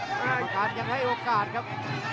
รายการยังให้โอกาสครับ